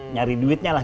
nyari duitnya lah